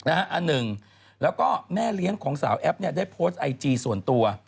อันหนึ่งแล้วก็แม่เลี้ยงของสาวแอปได้โพสต์ไอจีส่วนตัว